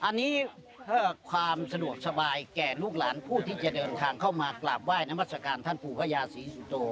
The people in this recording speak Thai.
อันนี้เพื่อความสะดวกสบายแก่ลูกหลานผู้ที่จะเดินทางเข้ามากราบไห้นวัศกาลท่านปู่พระยาศรีสุโต